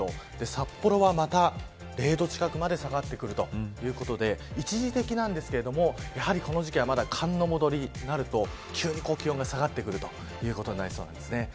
札幌はまた０度近くまで下がってくるということで一時的なんですが、やはりこの時期はまだ寒の戻りになると急に気温が下がってくるということになりそうです。